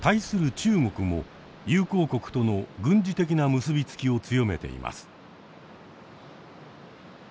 中国も友好国との軍事的な結び付きを強めています。